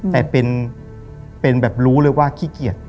แต่เป็นแบบรู้เลยว่าขี้เกียจ